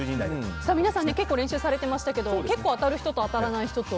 皆さん、結構練習されてましたけど結構当たる人と当たらない人と。